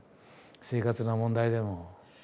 生活の問題でも。